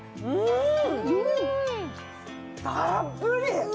たっぷり！